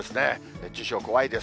熱中症、怖いです。